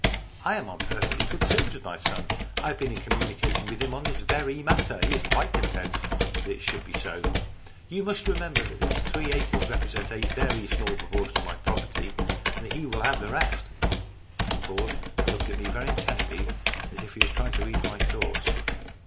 " I am on perfectly good terms with my son. I have been in communication with him on this very matter. He is quite content that it should be so. You must remember that these three acres 208 STORIES IN GREY represent a very small portion of my property, and that he will have the rest." He paused and looked at me very intently, as if he were trying to read my thoughts.